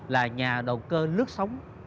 là nhà đầu cơ lướt sóng